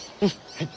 はい。